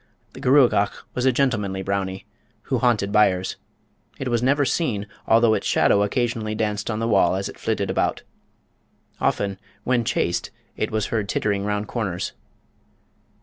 The Gruagach was a gentlemanly Brownie, who haunted byres. It was never seen, although its shadow occasionally danced on the wall as it flitted about. Often, when chased, it was heard tittering round corners.